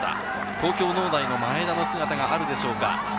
東京農大の前田の姿があるでしょうか。